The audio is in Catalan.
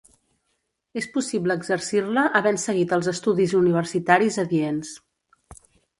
És possible exercir-la havent seguit els estudis universitaris adients.